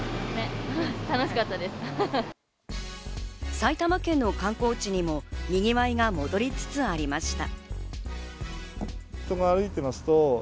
埼玉県の観光地にもにぎわいが戻りつつありました。